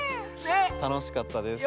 たのしかったです。